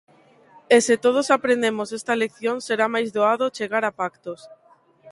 E se todos aprendemos esta lección será máis doado chegar a pactos.